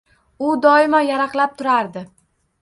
U doimo yaraqlab turardi.